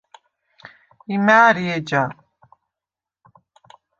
იმ’ა̄̈რი ეჯა?